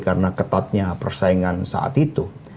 karena ketatnya persaingan saat itu